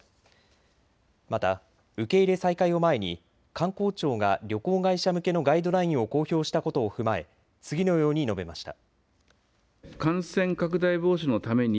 また受け入れ再開を前に観光庁が旅行会社向けのガイドラインを公表したことを踏まえ次のように述べました。